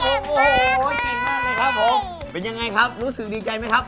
โอ้โหเก่งมากเลยครับผมเป็นยังไงครับรู้สึกดีใจไหมครับ